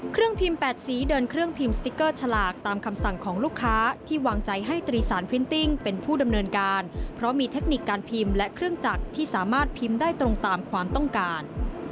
เครื่องพิมพ์๘สีเดินเครื่องพิมพ์สติ๊กเกอร์ฉลากตามคำสั่งของลูกค้าที่วางใจให้ตรีสารพรินติ้งเป็นผู้ดำเนินการเพราะมีเทคนิคการพิมพ์และเครื่องจักรที่สามารถพิมพ์ได้ตรงตามความต้องการ